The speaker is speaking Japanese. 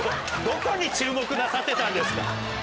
どこに注目なさってたんですか！